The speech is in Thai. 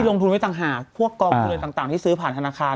ที่ลงทุนไว้ต่างหากพวกกองเงินต่างที่ซื้อผ่านธนาคาร